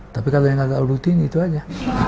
tapi kalau yang agak rutin itu aja